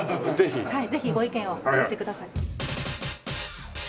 はいぜひご意見をお寄せください。